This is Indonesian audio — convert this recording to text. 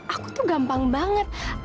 aku tuh gampang banget